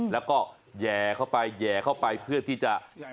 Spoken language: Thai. แล้วก็แห่เข้าไปแย่เข้าไปเพื่อที่จะ